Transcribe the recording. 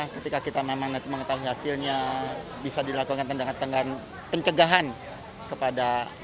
ketika kita memang net mengetahui hasilnya bisa dilakukan dengan tengah tengah penjagaan kepada